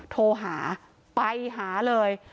โทรหาไปหาเลย